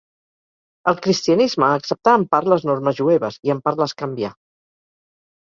El cristianisme acceptà en part les normes jueves, i en part les canvià.